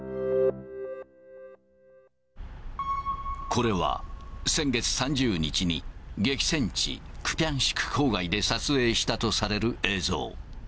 これは、先月３０日に激戦地、クビャンシク郊外で撮影したとされる映像。